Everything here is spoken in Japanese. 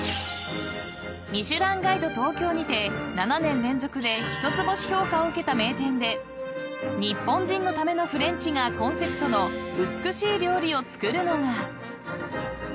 ［ミシュランガイド東京にて７年連続で一つ星評価を受けた名店で日本人のためのフレンチがコンセプトの美しい料理を作るのが］